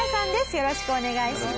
よろしくお願いします。